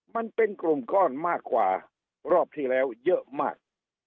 มันเป็นกลุ่มก้อนมากกว่ารอบที่แล้วเยอะมาก